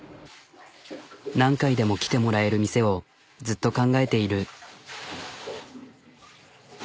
何回でも来てもらえる店をずっと考えている。